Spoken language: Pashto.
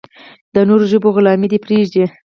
د نورو ژبو غلامي دې پرېږدي.